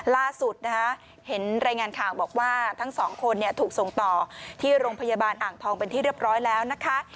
ล่าสุดนะคะเห็นรายงานข่าวบอกว่าทั้งสองคนถูกส่งต่อที่โรงพยาบาลอ่างทองเป็นที่เรียบร้อยแล้วนะคะ